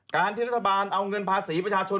การที่รัฐบาลเอาเงินภาษีประชาชน